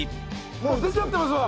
もう出ちゃってますわ。